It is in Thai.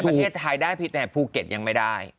ประเทศไทยได้ผิดแต่ภูเก็ตยังไม่ได้